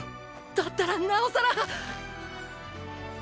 だったらなおさら！！